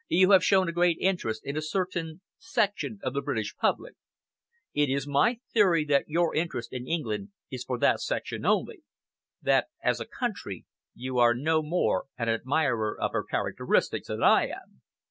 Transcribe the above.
You have shown a great interest in a certain section of the British public. It is my theory that your interest in England is for that section only; that as a country, you are no more an admirer of her characteristics than I am."